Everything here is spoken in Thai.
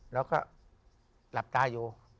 แล้วก็หลับตาอยู่